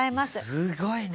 すごいね！